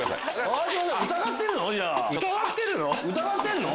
疑ってるの？